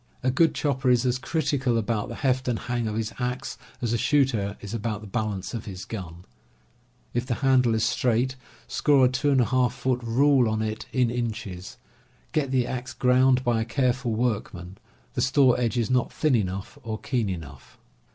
A good chopper is as critical about the heft and hang of his axe as a shooter is about the bal ance of his gun. If the handle is straight, score a 2^ foot rule on it, in inches. Get the axe ground by a careful workman. The store edge is not thin enough or keen enough.